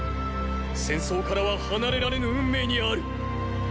戦争からは離れられぬ運命にある！